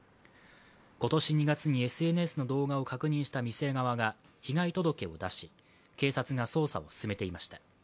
今年２月にＳＮＳの動画を確認した店側が被害届を出し、警察が捜査を進めていました。